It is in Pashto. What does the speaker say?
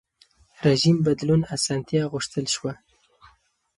رژیم بدلون اسانتیا غوښتل شوه.